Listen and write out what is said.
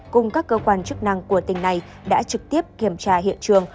cùng các cơ quan chức năng của tỉnh này đã trực tiếp kiểm tra hiện trường